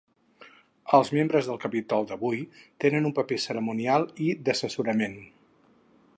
Els membres del capítol d'avui tenen un paper cerimonial i d'assessorament.